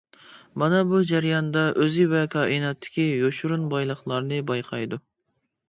مانا بۇ جەرياندا ئۆزى ۋە كائىناتتىكى يوشۇرۇن بايلىقلارنى بايقايدۇ.